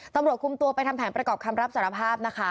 ตำรวจคุมตัวไปทำแผนประกอบคำรับสารภาพนะคะ